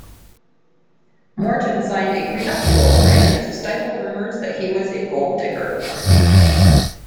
Morton signed a prenuptial agreement to stifle rumors that he was a gold digger.